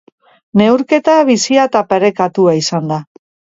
Neurketa bizia eta parekatua izan da.